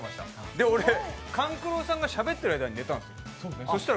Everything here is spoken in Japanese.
で、勘九郎さんがしゃべってるときに寝たんです。